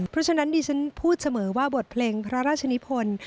เพราะฉะนั้นดิฉันพูดเสมอว่าบทเพลงพระราชนิพล